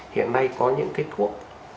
hiện nay có những kết quả